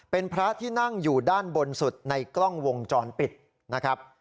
เป็นพระที่นั่งอยู่ด้านบนสุดในกล้องวงจรปิดนะครับ